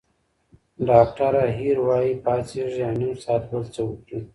ډاکټره هیر وايي، پاڅېږئ او نیم ساعت بل څه وکړئ.